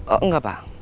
oh enggak pak